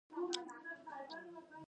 په امریکا او هند کې دا کتاب لوستل کیږي.